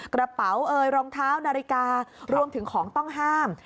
กระเป๋าเอ่ยรองเท้านาฬิการวมถึงของต้องห้าม